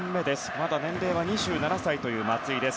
まだ年齢は２７歳という松井です。